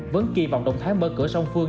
vẫn kỳ vọng động thái mở cửa song phương